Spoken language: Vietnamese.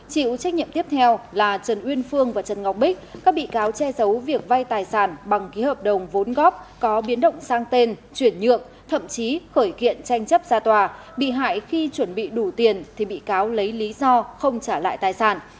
chịu trách nhiệm tiếp theo là trần uyên phương và trần ngọc bích các bị cáo che giấu việc vay tài sản bằng ký hợp đồng vốn góp có biến động sang tên chuyển nhượng thậm chí khởi kiện tranh chấp ra tòa bị hại khi chuẩn bị đủ tiền thì bị cáo lấy lý do không trả lại tài sản